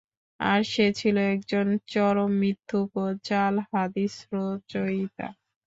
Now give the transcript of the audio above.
আর সে ছিল একজন চরম মিথ্যুক ও জাল হাদীস রচয়িতা।